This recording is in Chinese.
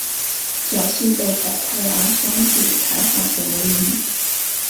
侥幸被百太郎相助才化险为夷。